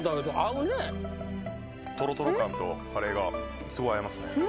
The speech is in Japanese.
・とろとろ感とカレーがすごい合いますね。